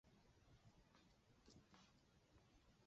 琼斯县是美国南达科他州中南部的一个县。